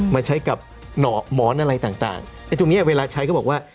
มาใช้กับหมอนอะไรต่างไอ้ตรงเนี้ยเวลาใช้ก็บอกว่า